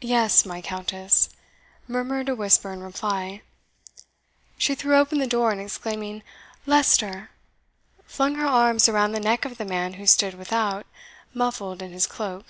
"Yes, my Countess," murmured a whisper in reply. She threw open the door, and exclaiming, "Leicester!" flung her arms around the neck of the man who stood without, muffled in his cloak.